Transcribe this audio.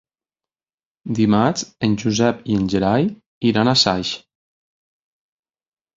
Dimarts en Josep i en Gerai iran a Saix.